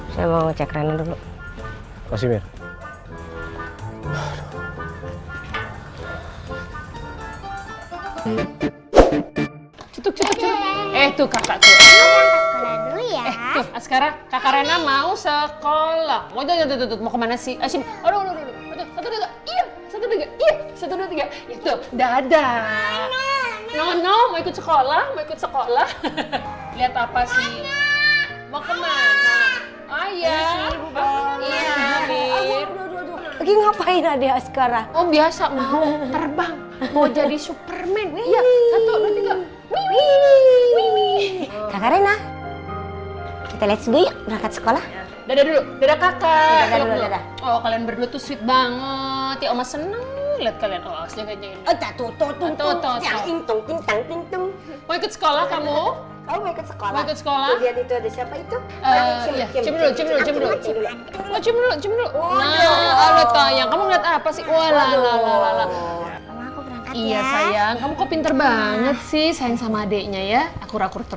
saya mau cek dulu